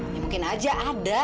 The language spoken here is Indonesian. ya mungkin aja ada